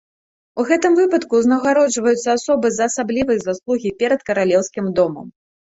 У гэтым выпадку ўзнагароджваюцца асобы за асаблівыя заслугі перад каралеўскім домам.